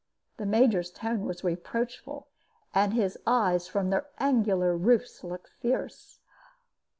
The Major's tone was reproachful, and his eyes from their angular roofs looked fierce.